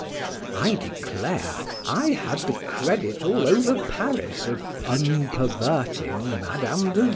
I declare I had the credit all over Paris of unperverting Madame de V—.